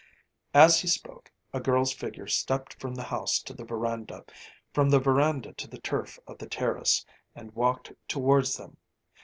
As he spoke, a girl's figure stepped from the house to the veranda, from the veranda to the turf of the terrace, and walked towards them.